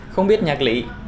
không biết nhạc lý